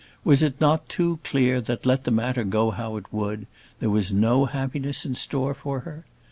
Was it not too clear that, let the matter go how it would, there was no happiness in store for her?